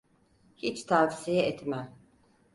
Hiç tavsiye etmem.